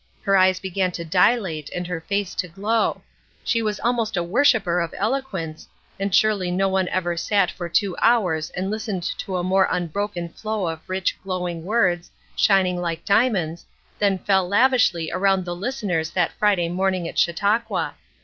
Her eyes began to dilate and her face to glow; she was almost a worshiper of eloquence, and surely no one ever sat for two hours and listened to a more unbroken flow of rich, glowing words, shining like diamonds, than fell lavishly around the listeners that Friday morning at Chautauqua.